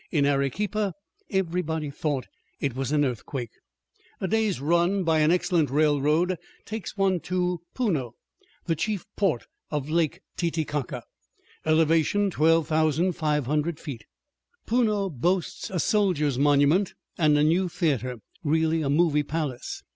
In Arequipa everybody thought it was an earthquake! A day's run by an excellent railroad takes one to Puno, the chief port of Lake Titicaca, elevation 12,500 feet. Puno boasts a soldier's monument and a new theater, really a "movie palace."